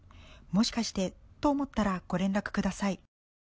もしかしてと思ったらご連絡ください。